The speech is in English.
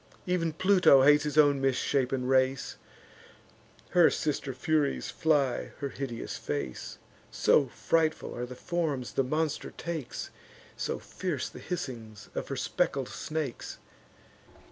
Ev'n Pluto hates his own misshapen race; Her sister Furies fly her hideous face; So frightful are the forms the monster takes, So fierce the hissings of her speckled snakes.